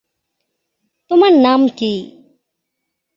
তোমার নাম কি?